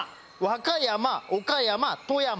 和歌山岡山富山。